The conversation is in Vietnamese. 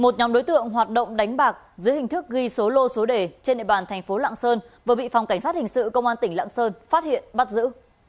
một nhóm đối tượng hoạt động đánh bạc dưới hình thức ghi số lô số đề trên địa bàn thành phố lạng sơn vừa bị phòng cảnh sát hình sự công an tỉnh lạng sơn phát hiện bắt giữ